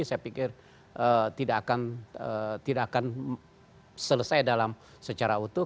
saya pikir tidak akan selesai dalam secara utuh